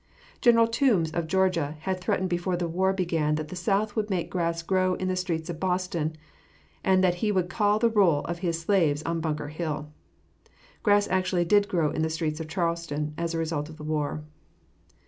General Toombs of Georgia had threatened before the war began that the South would make grass grow in the streets of Boston, and that he would call the roll of his slaves on Bunker Hill. Grass actually did grow in the streets of Charleston as a result of the war.